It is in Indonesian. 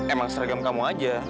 emang seragam kamu aja